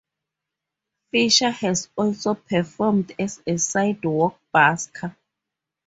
Fisher has also performed as a sidewalk busker.